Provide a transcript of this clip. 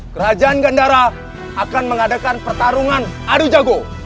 kerajaan gandara akan mengadakan pertarungan adu jago